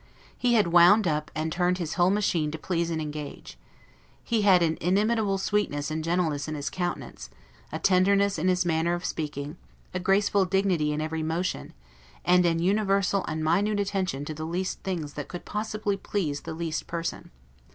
He had wound up and turned his whole machine to please and engage. He had an inimitable sweetness and gentleness in his countenance, a tenderness in his manner of speaking, a graceful dignity in every motion, and an universal and minute attention to the least things that could possibly please the least person.